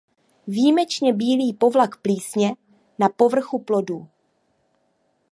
Výjimečně bílý povlak plísně na povrchu plodů.